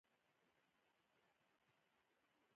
له څېړنیزو روزنیزو مرکزونو کار دی